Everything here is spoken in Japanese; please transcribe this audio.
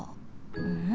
うん？